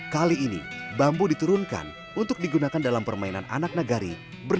kali ini bambu diturunkan untuk digunakan dalam permainan anak negari